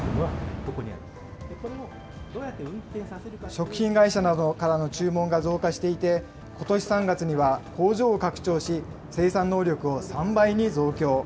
食品会社などからの注文が増加していて、ことし３月には工場を拡張し、生産能力を３倍に増強。